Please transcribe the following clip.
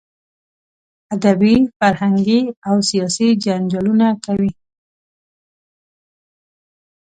ادبي، فرهنګي او سیاسي جنجالونه کوي.